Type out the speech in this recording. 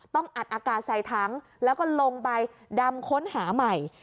ต้องอัดอากาศใส่ถังแล้วก็ลงไปดำค้นหาใหม่